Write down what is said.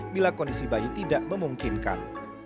bila kondisi bayi tidak memungkinkan